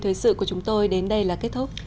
thời sự của chúng tôi đến đây là kết thúc